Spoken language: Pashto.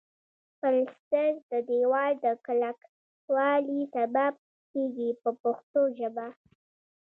پلستر د دېوال د کلکوالي سبب کیږي په پښتو ژبه.